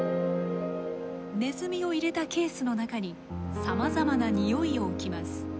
ネズミを入れたケースの中にさまざまなにおいを置きます。